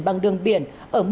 bằng đường biển